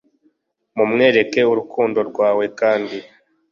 Mumwereke urukundo rwawe kandi